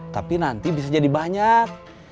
tapi nanti bisa jadi banyak